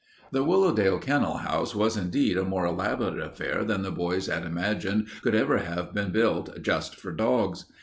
The Willowdale kennel house was indeed a more elaborate affair than the boys had imagined could ever have been built just for dogs.